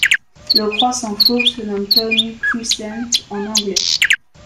Le Croissant fauve se nomme Tawny Crescent en anglais.